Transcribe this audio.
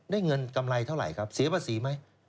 เงินกำไรเท่าไหร่ครับเสียภาษีไหม